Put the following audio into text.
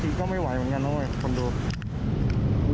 จริงก็ไม่ไหวเหมือนกันเว้ยคนดู